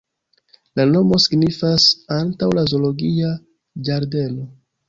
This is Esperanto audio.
La nomo signifas "antaŭ la zoologia ĝardeno".